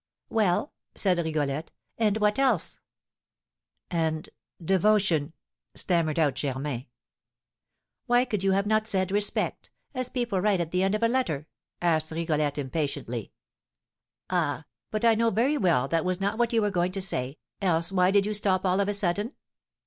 "Well," said Rigolette, "and what else?" "And devotion!" stammered out Germain. "Why could you not have said 'respect,' as people write at the end of a letter?" asked Rigolette, impatiently. "Ah, but I know very well that was not what you were going to say, else why did you stop all of a sudden?"